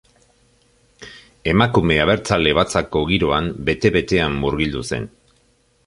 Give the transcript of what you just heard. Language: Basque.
Emakume Abertzale Batzako giroan bete-betean murgildu zen.